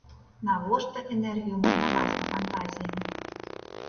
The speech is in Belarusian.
Навошта энергію марнаваць на фантазіі?